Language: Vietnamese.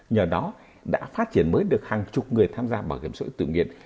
nhờ đó đã phát triển mới được hàng chục người tham gia bảo hiểm xuất tự nguyện